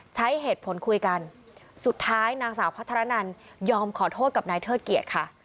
ใช้เหตุผลคุยกันสุดท้ายนางสาวพัทรนันยอมขอโทษกับนายเทิดเกียรติค่ะ